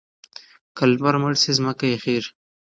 که لمر مړ شي ځمکه یخیږي.